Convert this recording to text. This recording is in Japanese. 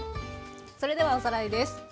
それではおさらいです。